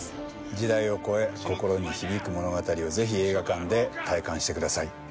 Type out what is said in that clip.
時代を超え心に響く物語を是非映画館で体感してください。